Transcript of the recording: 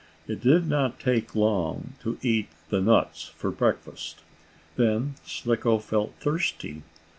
It did not take long to eat the nuts for breakfast. Then Slicko felt thirsty.